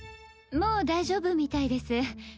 もう大丈夫みたいです。